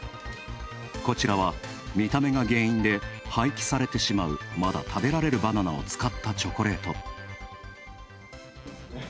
こちらは、見た目が原因で廃棄されてしまう、まだ食べられるバナナを使ったチョコレート。